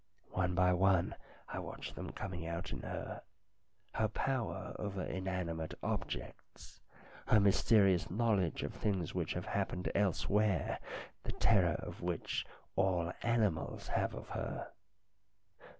One by one I watch them coming out in her. Her power over inanimate objects, her mysterious knowledge of things which have happened elsewhere, the terror which all animals have of her.